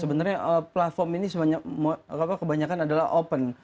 sebenarnya platform ini kebanyakan adalah open